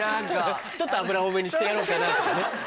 ちょっと油多めにしてやろうかなとかね。